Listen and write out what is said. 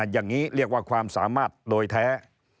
อย่างนี้เรียกว่าความสามารถโดยแท้